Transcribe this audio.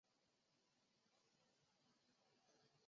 陇海路是河南省郑州市一条呈东西走向的城市主干道。